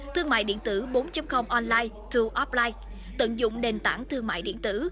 thương mại điện tử bốn online to apply tận dụng đền tảng thương mại điện tử